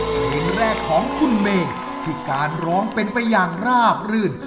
เพลงแรกของคุณเมย์ที่การร้องเป็นไปอย่างราบรื่น